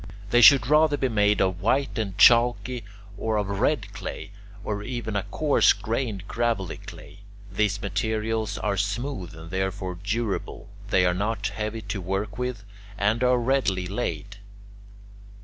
They should rather be made of white and chalky or of red clay, or even of a coarse grained gravelly clay. These materials are smooth and therefore durable; they are not heavy to work with, and are readily laid.